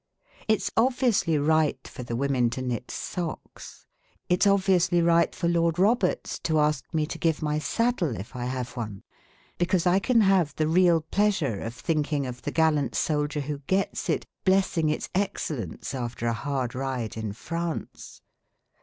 It 's obviously right for the women to knit socks. It 's obviously right for Lord Roberts to ask me to give my saddle if I have one because I can have the real pleasure of thinking of the gallant soldier who gets it, blessing its excellence after a hard ride in France.